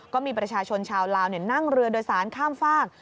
ก็มีประชาชนชาวลาวนั่งเรือโดยสารข้ามฝาก